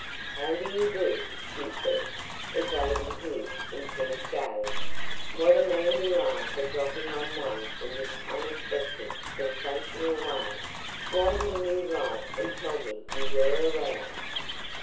"How do you do?" she said, evading his intense gaze. "What a man you are for dropping on one in this unexpected, sensational way! Why didn't you write and tell me you were around?"